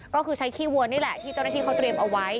ก็คือใช้ขี้วัวนี่แหละที่เจ้าหน้าที่เขาเตรียมเอาไว้